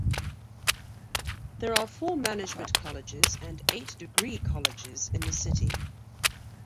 There are four management colleges and eight degree colleges in the city.